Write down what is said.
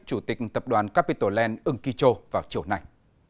chủ tịch tập đoàn capital land ưng kỳ châu vào chiều này